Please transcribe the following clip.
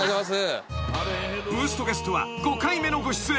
［ブーストゲストは５回目のご出演］